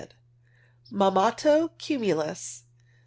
Mammato cumulus.